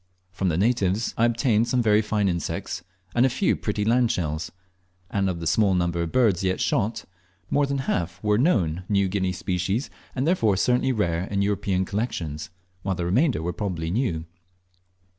From the natives I obtained some very fine insects and a few pretty land shells; and of the small number of birds yet shot more than half were known New Guinea species, and therefore certainly rare in European collections, while the remainder were probably new.